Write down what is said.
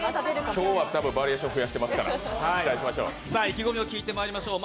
今日はバリエーション増やしてますから、期待しましょう。